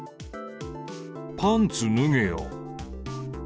パンツ脱げよ。